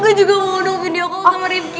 gue juga mau nunggu video kau sama rifki